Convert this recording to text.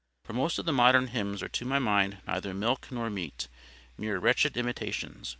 For most of the modern hymns are to my mind neither milk nor meat—mere wretched imitations.